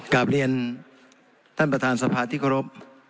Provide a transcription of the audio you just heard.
กราบเรียนท่านประธานสภาที่ขอรบ